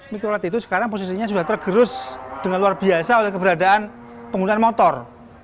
mikrolat itu sekarang posisinya sudah tergerus dengan luar biasa oleh keberadaan penggunaan motor